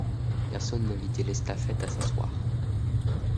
Personne n'invitait l'estafette à s'asseoir.